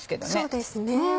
そうですね。